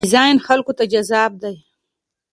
ډیزاین خلکو ته جذاب دی.